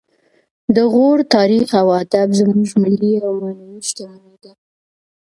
د غور تاریخ او ادب زموږ ملي او معنوي شتمني ده